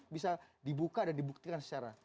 bisa dibuka dan dibuktikan secara